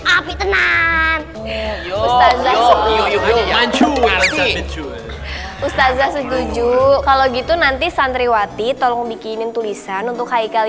api tenang ustazah sejujur kalau gitu nanti santriwati tolong bikinin tulisan untuk haikal